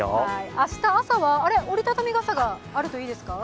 明日、朝は折り畳み傘があるといいですか？